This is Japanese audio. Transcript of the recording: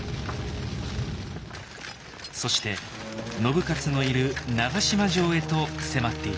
そして信雄のいる長島城へと迫っていきました。